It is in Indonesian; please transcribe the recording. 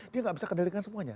dia nggak bisa kendalikan semuanya